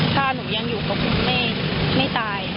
ถ้าหนูยังอยู่กับคุณไม่ตาย